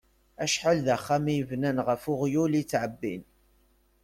Acḥal d axxam i bnan, ɣef uɣyul i ttεebbin.